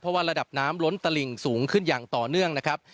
เพราะว่าระดับน้ำล้นตลิ่งสูงขึ้นอย่างต่อเนื่องนะครับ